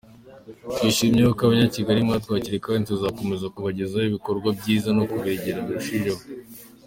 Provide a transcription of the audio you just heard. Twishimiye uko Abanyakigali mwatwakiriye kandi tuzakomeza kubagezaho ibikorwa byiza no kubegera birushijeho.